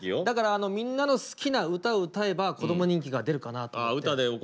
だからみんなの好きな歌を歌えば子ども人気が出るかなと思って。